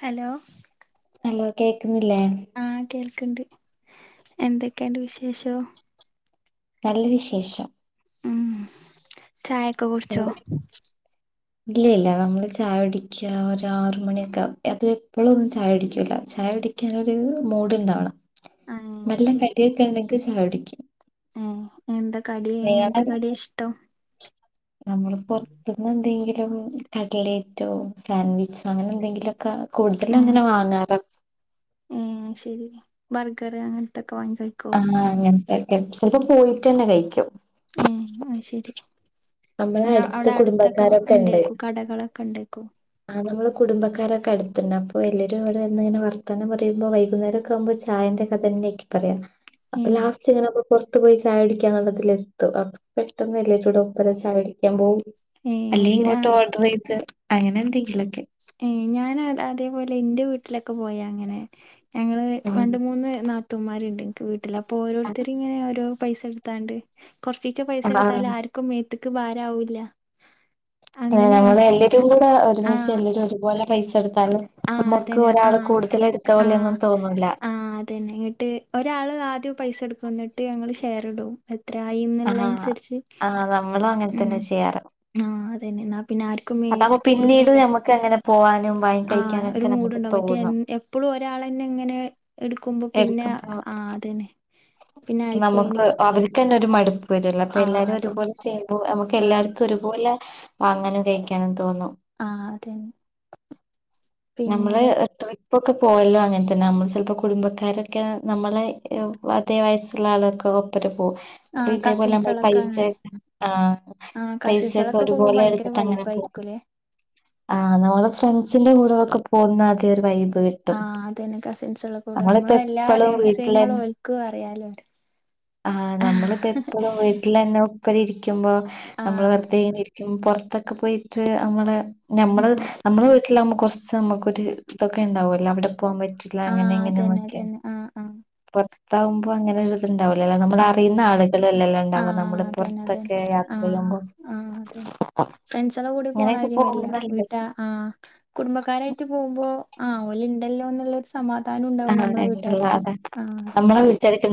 Hello hello കേക്കുന്നില്ലേ? ക്ക്‌ണ്ട് എന്തൊക്കെയണ്ട് വിശേഷോ? നല്ല വിശേഷം. ഉം ചായൊക്കെ കുടിച്ചോ? എന്താ ഇല്ല ഇല്ല, നമ്മള് ചായ കുടിക്കുക ഒരാറു മണിയൊക്കാവും അതെപ്പളുവൊന്നും ചായകുടിക്ക്യേല ചായ ചായുടിക്കാനൊരു മൂഡ്ണ്ടാവണം ആഹ് നല്ല കടിയൊക്കെ ഉണ്ടെങ്കിൽ ചായുടിക്കും. ഏ എന്താ കടി, എങ്ങനത്തെ കടിയ ഇഷ്ടം? നമ്മള് പൊറത്തുന്ന് എന്തെങ്കിലും കട്ലേറ്റോ സാൻഡ്വിച്ചോ അങ്ങനെ എന്തെങ്കിലുഒക്കെ കൂടുതലും അങ്ങനെ വാങ്ങാറാ. ഏ ശരി ബർഗറ് അങ്ങനത്തൊക്കെ വാങ്ങി വെക്കുവോ? കെഫ് സി ഒക്കെ പോയിട്ടന്നെ കഴിക്കും. ഏ അത് ശരി. നമ്മളെ പിന്നെ അടുത്ത അവിടെ അടുത്തൊക്കെ കുടുംബക്കാരൊക്കെ ണ്ടേക്കും കടകളൊക്കെണ്ടേക്കും. ആ നമ്മള് കുടുംബക്കാരൊക്കെ അടുത്തുണ്ട് അപ്പോ എല്ലരുംവിടെരുന്നങ്ങന വർത്താനം പറയുമ്പോ വൈകുന്നേരം ഒക്കാകുമ്പോ ചായ ന്റെ കഥന്നെയാരിക്കും പറയാ അപ്പൊ ഏഹ് ലാസ്റ്റിങ്ങനെ പുറത്തു പോയി ചായ കുടിക്കന്നൊള്ളതിൽ എത്തും അപ്പൊ പെട്ടെന്ന് എല്ലേരൂടെ ഒപ്പര ചായുടിക്കാൻ പോകും. ഏഹ് അല്ലെ അത് ശരി ഇങ്ങോട്ട് ആഹ് ഓഡറ് ചെയ്ത് അങ്ങനെ എന്തെങ്കിലൊക്കെ. ഏ ഞാൻ അ അതേപോലെ ഇന്റെ വീട്ടിലൊക്കെ പോയ അങ്ങനെയാ. ഞങ്ങള് ഉം രണ്ട് മൂന്ന് നാത്തൂന്മാരുണ്ട് എൻക്ക് വീട്ടില് അപ്പൊ ഓരോരുത്തർ ഇങ്ങനെ ഓരോ പൈസ എടുത്താണ്ട് കൊറച്ചീച്ചേ പൈസ ആഹ് എടുത്താലാർക്കും മേത്തക്ക് ഭാരാവില്ല. അത നമ്മള് എല്ലരും കൂടെ ഒരുമിച്ച് എല്ലരും ഒരുപോലെ പൈസ എടുത്ത് ആ അതന്നെ ആ ആ പോലെയൊന്നും തോന്നൂല ആ അതന്നെ എന്നിട്ട് ഒരാള് ആദ്യം പൈസ എടുക്കുന്നിട്ട് ഞങ്ങള് ഷെയർ ഇടും. ആഹ് എത്രായിന്നുള്ളനുസരിച്ച് ആഹ് നമ്മളും അങ്ങനെ ഉം തന്നെ ആ അതന്നെ എന്നാ പിന്നെ ആരും അതാമ്പ പിന്നീട് ഞമ്മക്ക് അ ങ്ങനെ പോവാനും വാങ്ങി കഴിക്കാനും ആഹ് ഒരു മൂഡുണ്ടാവും മറ്റേ എപ്പളും ഒരാളന്നെങ്ങനെ എടുക്കുമ്പോ പിന്നെ എടുക്കുമ്പോ ആ അതന്നെ പിന്നെ നമുക്ക്, ആയിക്കോയിനിക്ക അവർക്കന്നെ ഒരു മടുപ്പ് വരുല്ലേ അപ്പൊ ആഹ് എല്ലാരും അതന്നെ ഒരുപോലെ ചെയ്യുമ്പോ നമുക്ക് ആഹ് എല്ലാർക്കും ഒരുപോലെ വാങ്ങാനും കഴിക്കാനും തോന്നും. ആ അതന്നെ. നമ്മള് പിന്നെ എടുത്ത്വെയ് ഇപ്പൊക്കെ പോയല്ലോ അങ്ങനെ തന്നെ, നമ്മൾ ചെലപ്പോ കുടുംബക്കാരൊക്കെ നമ്മളെ അതേ വയസ്സുള്ള ആളുകൾക്ക ഓപ്പര പോ അപ്പ ആഹ് ഇതേപോലെ നമ്മള് കസിൻസളൊക്കെ പൈസ അങ്ങനെ ആ പൈസൊക്കെ ഒരുപോലെ വച്ചട്ട് അങ്ങനെ പോം. ആക്കലേ ആ് നമ്മള് ഫ്രണ്ട്സിന്റെ കൂടെൊക്കെ പോകുന്ന അത ഒരു വൈബി ആഹ അതന്നെ കസിൻസള്ള കൂടെ നമ്മള നമ്മളിപ്പോ എല്ലാ എപ്പളും വീട്ടിലെ രഹസ്യങ്ങളും ഒൽക്ക അറിയാലോര് ആഹ് നമ്മളിപ്പോ ഇപ്പഴ വീട്ടിൽ തന്നെ ഇപ്പരി ഇരിക്കുമ്പോ നമ്മള് ആഹ് വെറുതെ ഇനെ ഇരിക്കുമ്പ പുൊറത്തൊക്കെ പോയിട്ട് നമ്മള് നമ്മുടെ ഉം നമ്മുടെ വീട്ടിലാവകുമ്പോൾ കുറച്ച് നമുക്കൊരു ഇതൊക്കെ ഉണ്ടാവല്ല അവിടെ പോൻ പില്ല അങ്ങനെ ആഹ് ഇങ്ങനെ അതന്നെ നോക്ക അതന്നെ ആഹ് ആഹ് പുൊറത്താാവുമ്പോ അങ്ങനെണ്ട ല്ല നമ്മൾ ആഹ് അറിയുന്ന ആളുകളൾല്ലാംല്ലാം ഉണ്ടാവ ആഹ് നമ്മള് അതന്നെ അതന്നെ പുറത്തൊക്കെ യാത്ര ചെയ്യുമ്പോ ഫ്രണ്ട്സടെ കൂടി അങ്ങനെയൊക്കെ പോണാര് വല്ല പോകുമ്പോ നല്ല വീട്ട ആ കുടുംബ ക്കാരായിട്ട് പോകുമ്പോ ആ അവഓല ഉണ്ടല്ലോ എന്നുള്ള സമാധാനം ഉണ്ടാവും ഞമ്മളെ രസാ വീട്ടുകാക്ക് ആഹ അതന്നെ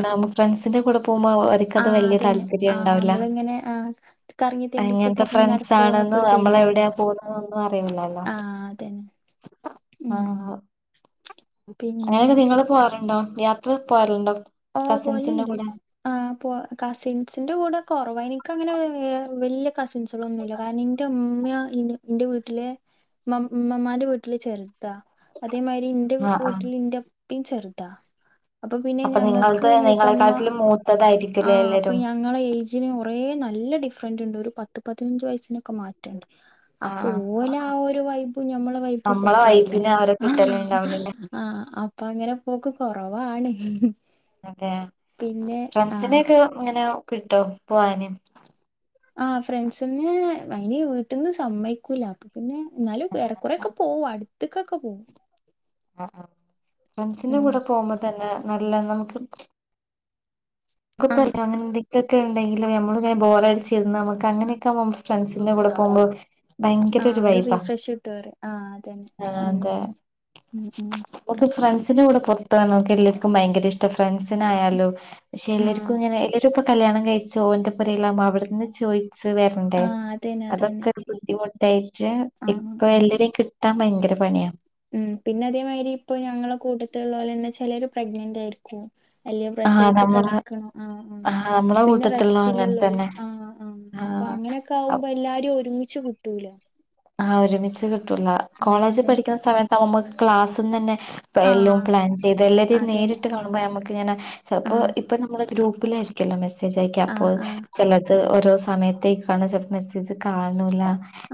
ന ഫ്രണ്ട്സിന്റെ [unintelligible] അവരിക്കത് ആഹ് വലിയ അതന്നെ താല്പര്യം ആഹ് ഉണ്ടാവില്ല നമ്മളിങ്ങനെ ആഹ് കറങ്ങി തെണ്ടിയൊക്കെ അങ്ങനത്തെ തിരിഞ്ഞ് നടക്കുവോ ഫ്രണ്ട്സാണ് എന്നൊക്കെ ഒരു [unintelligible] നമ്മള് പേടിയൊക്കെ ഉണ്ടോ എവിടെയാ പോന്നതൊന്നും അറില്ലല്ലോ ആഹ് അതന്നെ ഉം ആഹ് ആഹ് പിന്നെ അങ്ങനെയൊക്കെ നിങ്ങൾ പോവാറുണ്ടോ യാത്ര പോവാറുണ്ടോ ഓ കസിൻസിന്റെ പോവലുണ്ട് കൂടെ ആ പോ കസിൻസിന്റെ കൂടെ കുറവാ എനിക്ക് അങ്ങനെ വലിയ കസിൻസുകള് ഒന്നുമില്ല കാരണം എന്റെ ഉ [unintelligible] എന്റെ വീട്ടിലെ ഉമ്മമ്മാന്റെ വീട്ടില ചേർന്നു [unintelligible] അതേമാതിരി എന്റെ ആഹ് ആഹ് വീട്ടിൽ എന്റെ ഉപ്പേം ചെറുതാ അപ്പൊ പിന്നെ ഞങ്ങ [unintelligible] നിങ്ങളെക്കാട്ടിൽ മൂത്ത ആ അപ്പൊ ഞങ്ങള ഏജിന് ഒ കുറെ നല്ല ഡിഫറെൻറ് ഉണ്ട് ഒരു പത്ത് പതിനഞ്ച് വയസ്സിനൊക്കെ മാറ്റണ്ട് അപ്പൊ ആഹ് ഓലെ ആ ആഹ് ഒരു വൈ്പും ഞമ്മളെ വൈ്പും നമ്മളെ സെറ്റ് ആവില്ല വൈബിന് അവരെ ആ കിട്ടലുണ്ടാവില്ലല്ലേ ആഹ് അപ്പൊ അങ്ങനെ പോക്ക് കൊറവാണ് അതെ പിന്നെ ആഹ് ഫ്രണ്ട്സിനെക്കെ ഇങ്ങനെ കിട്ടോ പോവാനു ആ ഫ്രണ്ട്സ്നെ അങ്ങനെ വീട്ടിൽന്ന് സമ്മയിക്കൂല അപ്പൊ പിന്നെ എന്നാലും ഏറെക്കുറെ ഒക്കെ പോവും അടുത്തക്കൊക്കെ പോവും ആ ഫ്രണ്ട്സിന്റെ ഉം കൂടെ പോകുമ്പോ തന്നെ നല്ല നമുക്ക് ആഹ് [unintelligible] എന്തൊക്കൊക്കെ ഉണ്ടെങ്കില് നമ്മള് ബോർ അടിച്ചിരുന്ന നമക്ക് അങ്ങനൊക്കെ ഫ്രണ്ട്സിന്റെ കൂടെ പോകുമ്പോ ഭയങ്കര ഒരു വൈബ റീഫ്രഷ് കിട്ടും പറയും ആഹ് അതന്നെ ആ ഉം അതെ ഉം ഉം മറ്റേ ഫ്രണ്ട്സിന്റെ കൂടെ പോ ഇപ്പ നമ്മക്ക് എല്ലാവർക്കും ഭയങ്കര ഇഷ്ട ഫ്രണ്ട്സിന ആയാലും പക്ഷെ ആഹ് എല്ലർക്കും ഇങ്ങനെ എല്ലർക്കും കല്യാണം കഴിച്ചു ഓന്റെ ഒപ്പരമില്ല അവിടുന്ന് ചോദിച്ചച്ച് വരണ്ടേ ആഹ് അതന്നെ അതൊക്കെ അതന്നെ ഒരു ബുദ്ധിമു കായിട്ട് ആഹ് ഇപ്പൊ ആഹ് എല്ലരെയും കിട്ടാൻ ഭയങ്കര പണിയാ ഉം പിന്നെ അതേമാതിരി ഇപ്പൊ ഞങ്ങളെ കൂട്ടത്തിലുള്ള പോലെ തന്നെ ചിലർ പ്രഗ്നന്റ് ആയിരിക്കും എല്ലാം ആഹ് പ്രസവിച്ചു നമ്മളെ കിടക്കണം ആ ആ ആഹ് നമ്മളെ പിന്നെ കൂട്ടത്തിലുള്ള അങ്ങനെ റെസ്റ്റിലുള്ളോര് തന്നെ ആ ആ അപ്പൊ അങ്ങനെയൊക്കെ ആഹ് ആകുമ്പോ എല്ലാരും ഒരുമി ച് കിട്ടൂല ആഹ് ഒരുമിച്ച് കിട്ടൂല ആഹ് കോളേജ് അതന്നെ പഠിക്കുന്ന സമയത്ത് നമ്മക്ക് ക്ലാസ്സിന്ന് തന്നെ എല്ലാം ആഹ് പ്ലാൻ ചെയ്ത് എല്ലാരും അതന്നെ നേരിട്ട് കാണുമ്പോ നമ്മുക്കിങ്ങനെ ചപ്പോ ആഹ് ഇപ്പൊ നമ്മള് ഗ്രൂപ്പിലായിരിക്കല്ലോ മെസ്സേജ് അ യക്ക അപ്പോ ആഹ് ആഹ് ചിലത് ഓരോ സമയത്തേക്കണേൽ ചിലപ്പ മെസ്സേജ് കാണില്ല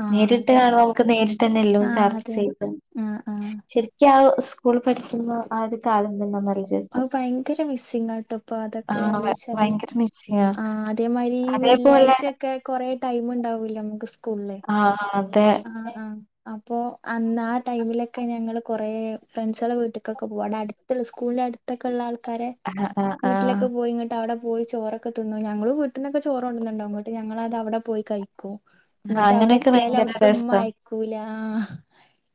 ആഹ് നേരെ അതെ [unintelligible] നമുക്ക് നേരിട്ട് തന്നെല്ലാം ആഹ് ചർച്ച അതന്നെ ചെയ്ത് ആഹ് ആഹ് ശരിക്ക സ്കൂൾ പഠിക്കുന്ന ആ ഒരു കാലം തന്നെ മ അ ഭയങ്കര മിസ്സിങ് ആട്ടോ ഇപ്പൊ അതൊക്കെ ആഹ് ആലോചിച്ചാല് ഭയങ്കര മിസ്സിങ്ങാ ആ അതേമാതിരി അതേപോലെ വെള്ളിയാഴ്ചൊക്കെ കൊറെേ ടൈം ഉണ്ടാവൂലെ നമുക്ക് സ് ആഹ് ആ ആ ആ ഓ അപ്പോൾ അന്ന് ആ ടൈമിലൊക്കെ ഞങ്ങൾ കുറേ ഫ്രണ്ട്സടെ വീട്ടക്കൊക്കെ പോകണ് അടുത്തുള്ള സ്കൂളിറെ അടു- ഒറ്റയ്ക്കുള്ള ആൾക്കാരെ ആഹ് ആഹ് ആഹ് വീട്ടിലൊക്കെ പോയി ഇങ്ങോട്ട് അവിടെ പോയി ചോറൊക്കെ തിന്നു ഞങ്ങള് വീട്ടന്നൊക്കെ ചോറ് കൊണ്ടുന്നുണ്ടാകും ഞങ്ങളത് അവിടെ പോയി കയ് എന്നിട്ട് അവിടെ അങ്ങനെയൊക്കെ എത്തിയാലും ഭയങ്കര അവിടു ഉമ്മ രസാ അയക്കൂല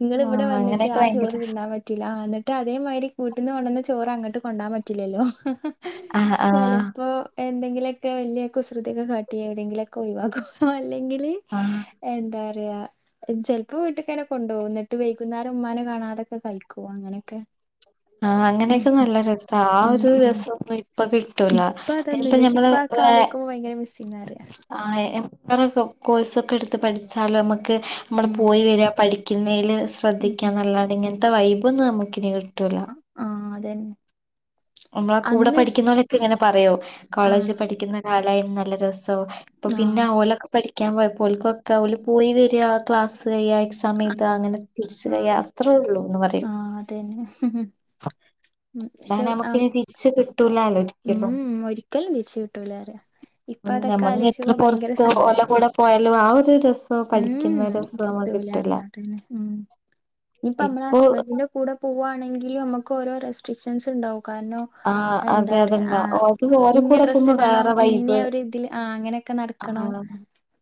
നിങ്ങിവിടെ ആഹ് വന്നിട്ട് അങ്ങനെയൊക്കെ ആ ഭയങ്കര ചോറ് രസ തിന്നാൻ പറ്റില്ല എന്നിട്ട് അതേ [unintelligible] വീട്ടിന്ന് കൊണ്ടന്ന ചോറ് അങ്ങോട്ട് കൊണ്ടാൻ പറ്റില്ലല്ലോ ആഹ് ആഹ് ചെലപ്പോ എന്തെങ്കിലുക്കെ വലിയ കുസൃതിയൊക്കെ കാട്ടി എവിടെങ്കിലൊക്കെ ഒഴിവാക്കും അല്ലെങ്കില് ആഹ് എന്താ പറയാ ചിലപ്പോ വീട്ടൊക്കെന്നെ കൊണ്ടപോകും എന്നിട്ട് വൈകുന്നരം ഉമ്മാനെ കാണാതൊക്കെ കഴിക്കോ അങ്ങനെയൊക്കെ ശബ്ദം ക്ലിയർ അല്ല ആ അങ്ങനെയൊക്കെ നല്ല രസ ആ ഒരു ഉം രസം ഒന്നും ഇപ്പൊ കിട്ടൂല ഇപ്പ അതിപ്പ അതൊന്നുല്ല പക്ഷെ ഞമ്മള് ഇപ്പ ആ കാലിക്കുമ്പോ ഭയങ്കര മിസ്സിംഗാ പറയാ ആ എത്ര കോഴ്സൊക്കെ എടുത്ത് പഠിച്ചാലും നമ്മക്ക് ക്ക് നമ്മള് ഉം പോയി വരിക പഠിക്കുന്നതിൽ ഉം ശ്രദ്ധിക്കാം എന്നല്ലാതെ ഇങ്ങനത്തെ വൈബൊന്നും നമുക്കില്ല ആ അതന്നെ നമ്മളാ കൂടെ അന്ന് പഠിക്കുന്നലൊക്കെ ഇങ്ങനെ പറയോ കോളേജ് ആഹ് പഠിക്കുന്ന കാലായും നല്ല രസ ഇപ്പൊ പിന്നെ ആഹ് ഓലലൊക്കെ പഠിക്കാൻ പോയപ്പോൾക്കൊക്കെ അവ പോയി വരിക ക്ലാസ് ക സമയത്ത് അങ്ങനെ തിരിച്ച് വരിക ആഹ് അത്രേ ഉള്ളൂന്ന് പറയും ആഹ് അതന്നെ ഉം അ പക്ഷെ ആഹ് നമ്മുക്കിനി തിരിച്ച് കിട്ടൂലല്ലോരിക്കലും ഉം ഒരിക്കലും തിരിച്ച് കിട്ടൂല പറയാ ഇപ്പൊ ഉം അതൊക്കെ ഞമ്മള് എത്ര ആലോചിച്ചുമ്പോ ഭയങ്കര പൊറത്ത് ഓല സങ്കടാ കൂടെ പോയാലും ആ ഒരു രസ രസവും ഉം പഠിക്കുന്ന രസം നമുക്ക് കിട്ടില്ല ഇപ്പൊ നമ്മള് ഹസ്ബന്റിന്റെ കൂടെ പോവുകവാണെങ്കിലും നമ്മുക്ക് ഓരോ ര സ്ട്രിക്ഷൻസ് ഉണ്ടാവും ആഹ് എന്താ അതെ പറ അതെന്താ അത് ഓരെ ഇന്ന കൂടെ ഡ്രസ്സ് പോകുമ്പോ ഇടണം വേറെ ഇന്ന വൈബ് ആ അങ്ങനെയൊക്കെ ആഹ് നടക്കണം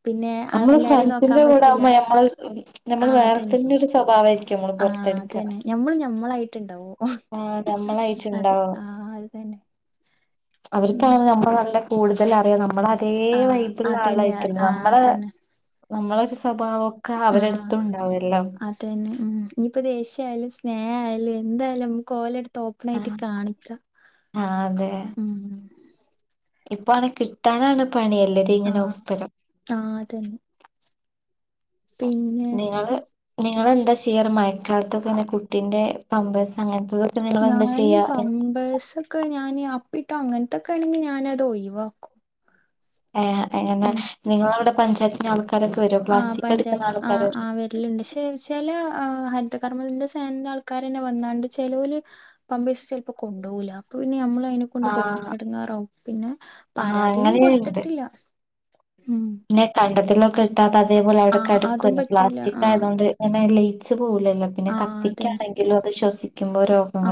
പിന്നെ എല്ലാരെയും നോക്കാൻ അച്ഛൻറെ പറ്റൂല കൂടൊകുമ്പോ നമ്മള് ആ നമ്മള് അതന്നെ വേറത്തന്നെ ഒരു സ്വഭാവമായിരിക്കും ആ അതന്നെ ഞമ്മള് ഞമ്മളായിട്ടുണ്ടാവോ ആഹ് അതെ നമ്മളായിട്ടുണ്ടാവും ആ അതന്നെ ഉം അവർക്കാണ് നമ്മൾ നല്ല കൂടുതൽ അറിയാം നമ്മള് അതേ ആ വൈബിലുള്ള അതന്നെ ആ ആളായിരിക്കണം നമ്മളെ അതന്നെ നമ്മളൊരു സ്വഭാവൊക്കെ ആ അവരടുത്തും ഉണ്ടാവുമല്ലോ അതന്നെ ഇനിയിപ്പ ദേഷ്യയാലും സ്നേഹം ആയാലും എന്തായാലും നമുക്ക് ഓലടുത്തു ഓപ്പൺ ആയിട്ട് ആഹ് കാണിക്ക ഉം ഇപ്പൊ ആണെ കിട്ടാനാണ് പണി എല്ലരം ആ ഇങ്ങനെ ഒപ്പരം ആ അതന്നെ പിന്നെ നിങ്ങള് നിങ്ങളെന്താ ചെയ്യാറ് മഴക്കാലത്തൊക്കെന്നെ കുട്ടീന്റെ പാമ്പേഴ്സ് അങ്ങനെ ഞാനീ പാമ്പേഴ്സൊക്കെ ഞാന് അപ്പിട്ടാ അങ്ങനെ അതൊക്കെ ആണെങ്കി ഞാന അത് ഒഴിവാക്കും എങ്ങനെ ഉം നിങ്ങളവിടെ പഞ്ചായത്തിൽ ആൾക് ആ പഞ്ചായത്ത് ആ ആ വരലുണ്ട് ചില ഹരിതകർമ്മന്റെ സേന ആൾക്കാര്ന്നെ വന്നാണ്ട് ചിലൊരു പമ്പേഴ്സ് ചിലപ്പോ കൊണ്ടുപോകില്ല അപ്പ പിന്നെ നമ്മ കൊണ്ട് ആഹ് ഇടങ്ങേറാവും പിന്നെ ആഹ് പരാതിയൊന്നും അങ്ങനെയുണ്ട് കൊടുത്തിട്ടില്ല ഉം പിന്നെ കണ്ടത്തിലൊക്കെ ഇട്ടാത്ത അതേപോലെ ആ അതും അവിടെക്കെടക്കുലൊ പറ്റൂല പ്ലാസ്റ്റിക് ആ ആയതൊണ്ട് അങ്ങനെ പോവില്ലല്ലോ പിന്നെ ആ അതന്നെ കത്തിക്കാണെങ്കിലും അത് ശ്വസിക്കുമ്പോ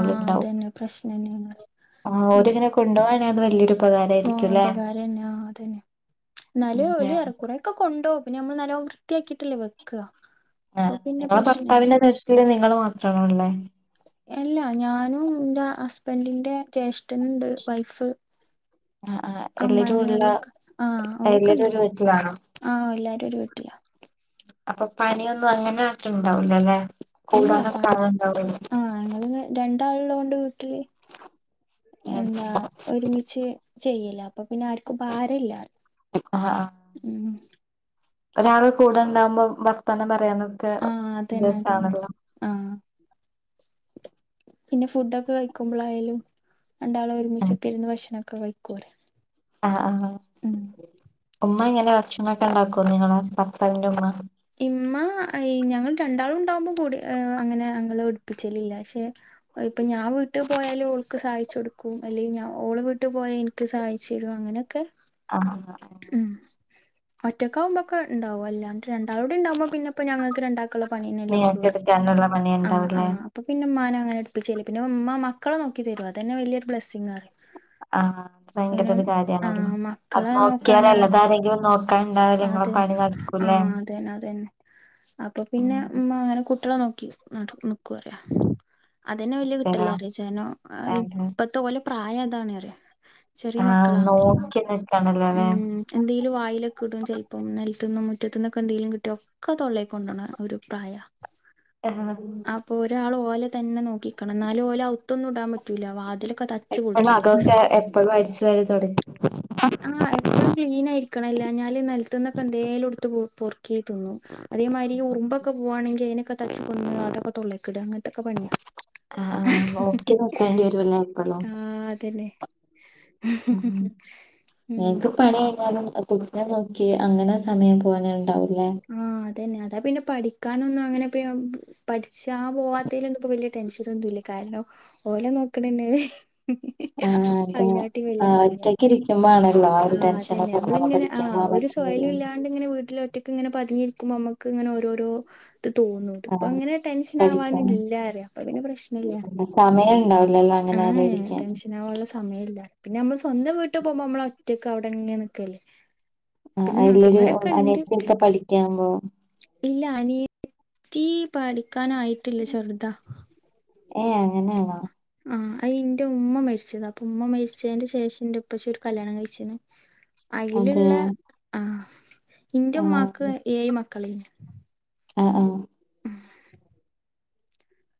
ആ അതന്നെ പ്രശ്നം തന്നെയാണ് ആ ഓരിങ്ങനെ കൊണ്ടുപോവാണെ അത് വലിയൊരു ഓ ഉപകാരായിരിക്കുംല്ലേ ഉപകാരംന്നെ ആ അതന്നെ എന്നാല് അതെ ഓല് ഏറെക്കുറെക്കെ കൊണ്ട്പോവും പിന്നെ നമ്മൾ നല്ലം വൃത്തിയാക്കിയിട്ടല്ലേ വെക്കുക ആ അപ്പൊ പിന്നെ നിങ്ങള് പ്രശ്നല്ല ഭർത്താവിന്റെ നിങ്ങള് മാത്രമാണള്ളേ അല്ലാ ഞാനും എന്റെ ഹസ്ബൻഡിന്റെ ജ്യേഷ്ഠന്ണ്ട് വൈഫ് ആഹ് ആഹ് എല്ലരും അമ്മായിമ്മ ഉള്ള ഓലൊക്കെ ആ ഓലൊക്കെ എല്ലാരും ഉണ്ട് ഒരു വീട്ടിലാണോ ആ എല്ലാരും ഒരു വീട്ടില അപ്പൊ പണിയൊന്നും അങ്ങനെ അത്ര ഉണ്ടാവൂലല്ലേ ഇല്ല പണി ആ ങ്ങള് രൺ ണ്ടാൾള്ള കൊണ്ട് വീട്ടില് എന്താ ഒരുമിച്ച് ചെയ്യ്ല അപ്പൊ പിന്നെ ആർക്കും ഭാരയില്ല ആഹ് ആഹ് ഒരാള് കൂടെണ്ടാവുമ്പോ വർത്താനം പറയാനും റ്റേ ആഹ് അതന്നെ അതന്നെ രസാണല്ലോ ആഹ് പിന്നെ ഫുഡൊക്കെ കഴിക്കുമ്പോളായാലും രണ്ടാളും ഒരുമിച്ചൊക്കെ ഇരുന്ന് ഭക്ഷണ വൊക്കെ കഴിക്കൂലെ ആ ആ ഉമ്മ ഇങ്ങനെ ഭക്ഷണവൊക്കെ ണ്ടാക്കുവോ നിങ്ങളെ ഭത്താവിന്റെ ഉമ്മ ഇമ്മ ഞങ്ങൾ രണ്ടാളും ഉണ്ടാവുമ്പോ കൂടി അങ്ങനെ അങ്ങളെ ഉഠിപ്പിച്ചലില്ല പക്ഷേ ഇപ്പൊ ഞാൻ വീട്ട് പോയാലും ഓൾക്ക് സഹായി ച്ചു കൊടുക്കും അല്ലെങ്കി ഞാൻ ഓളെ വീട്ട് പോയാ എനിക്ക് സഹായിച്ചു തരും അങ്ങനെയൊക്കെ ആ അ ഉം ഒറ്റക്കാവുമ്പോക്കെ ഇണ്ടാവും അല്ലാണ്ട് രണ്ടാള്ളൂടിണ്ടാവുമ്പോ പിന്നെ പ്പ ഞങ്ങക്ക് രണ്ടാക്കുള്ള പണീനല്ലെള്ളൂ നിങ്ങൾക്ക് റയും എടുക്കാനുള്ള പണി ആ ആ ഉണ്ടാവൂലേ അപ്പൊ പിന്നെ ഉമ്മാനെ അങ്ങനെ എടുപ്പിച്ചിലെ പിന്നെ ഉമ്മ മക്കളെ നോക്കി തരും അതന്നെ വലിയൊരു ബ്ലസ്സിങ്ങാ ആഹ് അത് ഭയങ്കര പിന്നെ ഒരു ആ കാര്യാണല്ലോ അത് മക്കളെ നോക്കാന നോക്കിയാലല്ലേ അതാരെങ്കിലും നോക്കാണ്ടാവൂല ഇങ്ങളെ അത് ന്നെ പണി ആ നടക്കൂലേ അത് ന്നെ അത് ന്നെ അപ്പൊ പിന്നെ ഉം ഉമ്മ അങ്ങനെ കു ട്ടിളെ നോക്കി നട നിക്കുറയ അതന്നെ വല്ല്യ അതെയോ കിട്ടല അറിയ ജാനു അതെ ഇപ്പത്തെ ഓലെ പ്രായം അതാണ് പറയ ചെറിയ ആഹ് മക്കളാ നോക്കി മ് നിക്കണല്ലോല്ലേ എന്തെലും വാ ഇലെക്കിടും ചെൽപ്പം നെലത്തുന്നും മുറ്റത്തുന്നൊക്കെ എന്തെലും കിട്ടിയ ഒക്കെ തൊള്ളെകാെണ്ടാേണ ഒരു പ്രായ [unintelligible] പോലെ തന്നെ നോക്കിക്കണം ന്നാല് ഓല് ഔത്തൊന്നു ഇടാൻ പ പറ്റൂല വാതിലൊക്കെ തച്ചു എപ്പഴും പൊളിച്ചൂലേ അതൊക്കെ എപ്പഴും അടിച്ചു വാരി തൊടക്കും ആഹ് എപ്പളും ക്ലീൻ ആയിരിക്കണം ഇല്ലാഞ്ഞാല് ക്കെ തോന്നു അതേമാരി ഈ ഉറുമ്പൊക്കെ പോവാണെങ്കിൽ അതിനൊക്കെ തച്ച്കൊന്ന് അതൊക്കെ തൊള്ളെയ്ക്കിടുവാ അങ്ങനത്തൊക്കെ പണിയാ ആഹ് നോക്കി നിക്കേണ്ടി വരൂല്ലേ എപ്പളും ആ അതന്നെ ഉം ഞങ്ങക്ക് പണി കഴിഞ്ഞാലും കുട്ടിനെ നോക്കി അങ്ങനെ സമയം പോവാനേ ഉണ്ടാവൂ ആ അതന്നെ അതാ പിന്നെ പഠി ക്കാനൊന്നും അങ്ങനെ പഠിച്ചാ പോവാത്തെലൊന്നും വലിയ ടെൻഷ നൊന്നുല്ല കാരണം ഓലേ നോ ക്കണേന്നെ ആഹ് അതെ അതിനായിട്ട് വലിയ ആഹ് പണിയാ ഒറ്റക്ക് ഇരിക്കുമ്പോ ആണല്ലോ ആ ഒരു അതന്നെ ടെൻഷനൊക്കെ മ്മള് ഉണ്ടാവാ ഇങ്ങനെ ആ പഠിക്കാൻ പോവാൻ ഒരു സോ പറ്റുന്നില്ല ല്യംല്ലാണ്ട് ഇങ്ങനെ വീട്ടില് ഒറ്റയ്ക്ക് ഇങ്ങനെ പതിഞ്ഞിരിക്കുമ്പോ മ്മക്ക് ഇങ്ങനെ ഓരോരോ ത് തോന്നൂ ഇത്പ്പൊ ആഹ് അങ്ങനെ ടെൻഷൻ പഠിക്കാൻ ആവാനില്ല അപ്പൊ പിന്നെ പ്രശ്നയില്ല സമയം ഉണ്ടാവില്ലല്ലോ അങ്ങനെ ആയെ ആലോചിക്കാൻ ടെൻഷൻ ആവാനുള്ള സമയില്ല പിന്നെ മ്മള് സ്വന്തം വീട്ട് പോവുമ്പോ മ്മള് റ്റൊക്കെ അവിടെങ്ങെ നിക്കല്ലേ ആ പിന്നെ അതിലൊരു നാത്തൂമാരൊക്കെ ഇണ്ട് [unintelligible] പഠിക്കാമ്പോ ഇല്ല അനിയത്തി പഠിക്കാനായിട്ടില്ല ചെറുതാണ് ഏ അങ്ങനെയാണോ ആ അയിന്റെ ഉമ്മ മരിച്ചീന്ന് അപ്പൊ ഉമ്മ മരിച്ചെന്റെ ശേഷം ന്റെ ഉപ്പച്ചി ഒരു കല്യാണം കഴിച്ചീണ് അയില്ള്ള അതെയോ ആ ന്റെ ആഹ് ഉമ്മാക്ക് ഏഴ് മക്കള് ആ ആ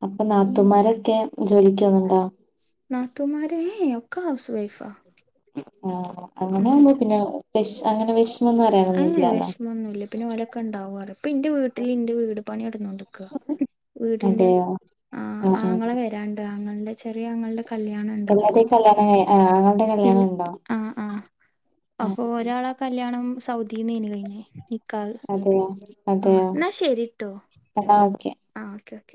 അപ്പം നാത്തൂമാരൊക്കെ ജോലിക്ക് പോകുന്നുണ്ടോ നാത്തൂമാരേ ഒക്കെ ഹൗസ് വൈഫാ ആ അങ്ങനെ ആവുമ്പോ പിന്നെ വെശ് അങ്ങനെ വെശ് ഏ വിഷമൊന്നൂല പിന്നെ ഓലൊക്കെ ണ്ടാവുറെ പ്പം ഇന്റെ വീട്ടില് ഇന്റെ വീട് പണി ടന്നോണ്ട്ക്ക വീടിന്റെ അതെയോ ആ ആഹ് ആങ്ങള ആഹ് വരാണ്ട് ആങ്ങൾടെ ചെറിയ ആങ്ങൾടെ എല്ലാർടെം കല്യാണം കഴി ആ ഇല്ല ആ ആ അപ്പൊ ആഹ് ഒരാളാ കല്യാ ണം സൗദിന്നേന് കഴിഞ്ഞേ കൽ അതെയോ ആഹ് അതെയോ എന്നാ ശരിട്ടോ എന്നാ ഓക്കെ ആ ഓക്കെ ഓക്കെ